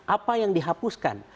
apa yang dihapuskan